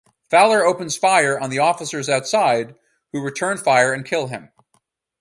Fowler opens fire on the officers outside, who return fire and kill him.